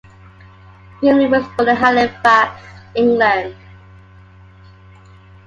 Grimley was born in Halifax, England.